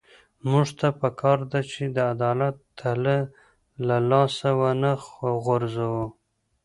موږ ته پکار ده چې د عدالت تله له لاسه ونه غورځوو.